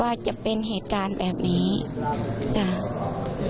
ว่าจะเป็นเหตุการณ์แบบนี้อย่างนี้